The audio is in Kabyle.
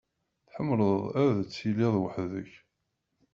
Tḥemmleḍ ad tiliḍ weḥd-k?